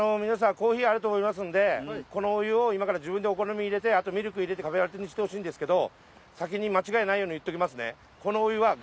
コーヒーあると思いますんでのお湯を今から自分でお好みで入れてとミルク入れてカフェラテにしてほしいんですけどに間違いないように言っておきますね。